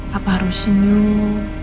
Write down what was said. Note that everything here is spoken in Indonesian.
papa harus senyum